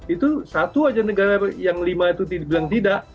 itu satu saja negara yang lima itu itu bilang tidak